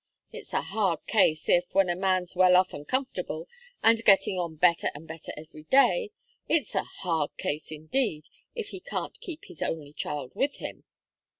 It's a hard case, if, when a man's well off and comfortable, and getting on better and better every day it's a hard case, indeed, if he can't keep his only child with him."